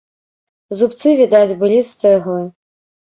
Зубцы, відаць, былі з цэглы.